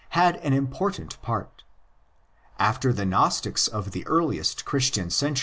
had an important part. After the Gnostics of the earliest Christian centuries, 1 Cf.